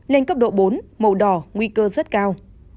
lên cấp độ bốn màu đỏ nguy cơ rất cao